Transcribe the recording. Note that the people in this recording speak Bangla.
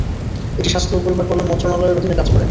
এটি স্বাস্থ্য ও পরিবার কল্যাণ মন্ত্রণালয়ের অধীনে কাজ করে।